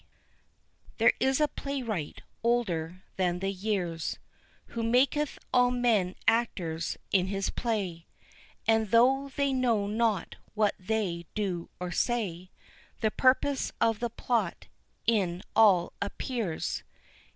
There is a playwright older than the years, Who maketh all men actors in his play, And, though they know not what they do or say, The purpose of the plot in all appears.